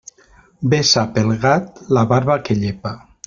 Bé sap el gat la barba que llepa.